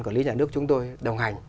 của lý nhà nước chúng tôi đồng hành